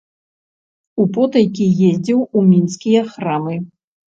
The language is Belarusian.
Употайкі ездзіў у мінскія храмы.